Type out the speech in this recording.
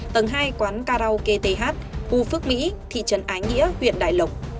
tầng hai quán karaoke th khu phước mỹ thị trấn ái nghĩa huyện đại lộc